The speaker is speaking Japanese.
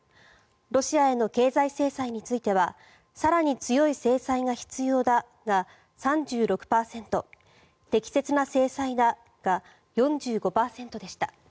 ロシアへの経済制裁については更に強い制裁が必要だが３６％適切な制裁だが４５％でした。